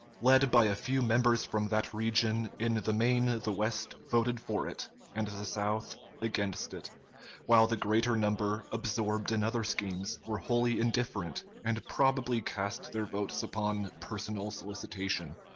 Led by a few members from that region, in the main the West voted for it and the South against it; while the greater number, absorbed in other schemes, were wholly indifferent, and probably cast their votes upon personal solicitation.